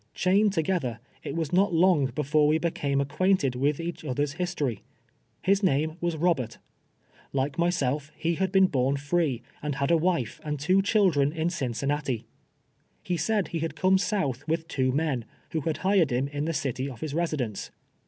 Chained together, it was not long before we became acquainted with each other's history. His name was Eobert. Like myself, he had been born free, and had a wife and two chil dren in Cincinnati. He said he had come south with two men, who had hircil him in the city of his resi dence.